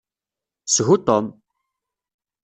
Shu Tom!